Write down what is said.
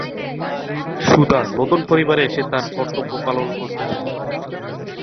সুধা নতুন পরিবারে এসে তার কর্তব্য পালন করতে থাকে।